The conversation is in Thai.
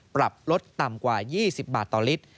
ปรับลดต่ำกว่า๒๐บาทต่อลิตร